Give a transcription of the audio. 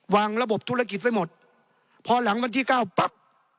วางระบบธุรกิจไว้หมดพอหลังวันที่เก้าปั๊บ